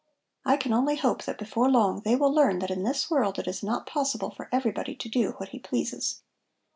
"I can only hope that before long they will learn that in this world it is not possible for everybody to do what he pleases."